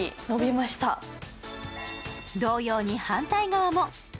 同様に反対側も。